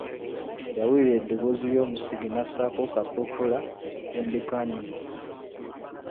Yawulira eddoboozi ly’omusege n’assaako kakokola tondekannyuma.